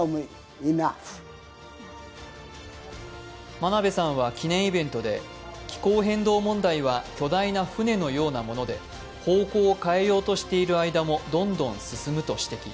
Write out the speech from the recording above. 眞鍋さんは記念イベントで気候変動問題は巨大な船のようなもので、方向を変えようとしている間もどんどん進むと指摘。